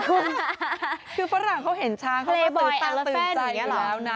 คือฝรั่งเขาเห็นช้างเขาก็ตื่นใจอยู่แล้วนะ